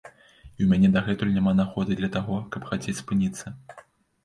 І ў мяне дагэтуль няма нагоды для таго, каб хацець спыніцца.